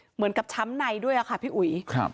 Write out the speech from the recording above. เหมือนกับช้ำในด้วยค่ะพี่อุ๋ย